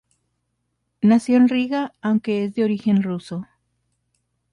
Nació en Riga, aunque es de origen ruso.